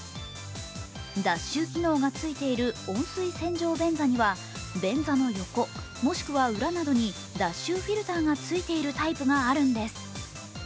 脱臭機能がついている温水洗浄便座には便座の横、もしくは裏などに、脱臭フィルターがついているタイプがあるんです。